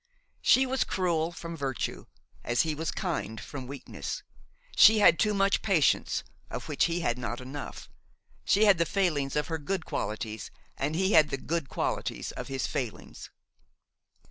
She was cruel from virtue, as he was kind from weakness; she had too much patience, of which he had not enough; she had the failings of her good qualities and he the good qualities of his failings.